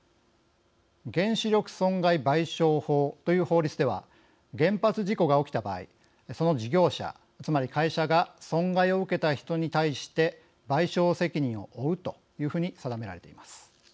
原子力損害賠償法という法律では原発事故が起きた場合その事業者、つまり会社が損害を受けた人に対して賠償責任を負うというふうに定められています。